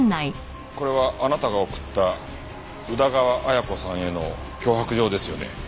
これはあなたが送った宇田川綾子さんへの脅迫状ですよね？